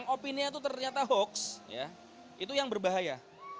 opinia itu ternyata hoax itu yang berbahaya